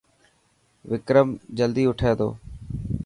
وڪرم جلدي اٺي ٿو.